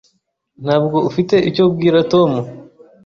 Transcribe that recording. Ntabwo ufite icyo ubwira Tom?